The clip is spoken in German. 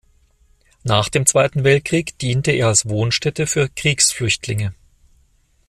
Nach dem Zweiten Weltkrieg diente er als Wohnstätte für Kriegsflüchtlinge.